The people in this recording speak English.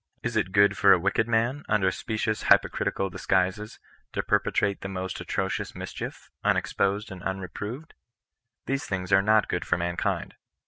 Is it good for a wicked man, under specious hypocritical disguises, to perpetrate the most atrocious mischief, un exposed and unreproved? These things are not good for mankind.